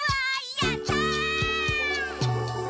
やったー！」